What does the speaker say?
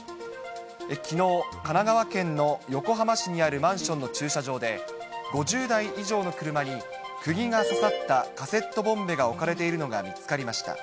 きのう、神奈川県の横浜市にあるマンションの駐車場で、５０台以上の車にクギが刺さったカセットボンベが置かれているのが見つかりました。